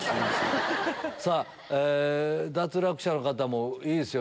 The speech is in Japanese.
脱落者の方もいいですよ